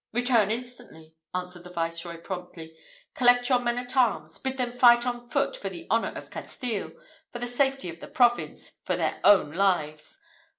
"Return instantly," answered the Viceroy, promptly, "collect your men at arms, bid them fight on foot for the honour of Castile for the safety of the province for their own lives.